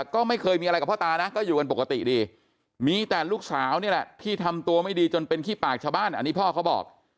ก็ไม่เคยมีอะไรกับพ่อตานะก็อยู่กันปกติดีมีแต่ลูกสาวนี่แหละที่ทำตัวไม่ดีจนเป็นขี้ปากชาวบ้านอันนี้พ่อเขาบอก